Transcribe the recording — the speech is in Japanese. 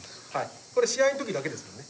これ試合の時だけですもんね？